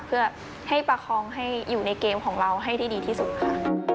เพื่อให้ประคองให้อยู่ในเกมของเราให้ได้ดีที่สุดค่ะ